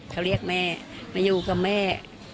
เขาเรียกแม่มาอยู่กับแม่